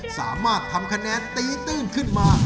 สามารถทำคะแนนตีตื้นขึ้นมา